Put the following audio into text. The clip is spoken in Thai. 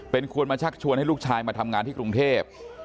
ควรมาชักชวนให้ลูกชายมาทำงานที่กรุงเทพ